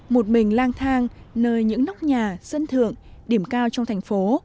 một mình lang thang nơi những nóc nhà sân thượng điểm cao trong thành phố